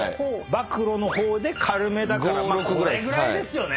暴露の方で軽めだからこれぐらいですよね。